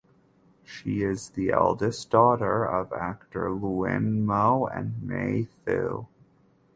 She is the eldest daughter of actor Lwin Moe and May Thu.